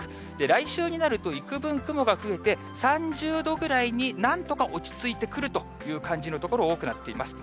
来週になると、幾分、雲が増えて、３０度ぐらいに、なんとか落ち着いてくるという感じの所、多くなっています。